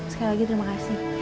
sekali lagi terima kasih